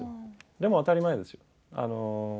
でも当たり前ですよ。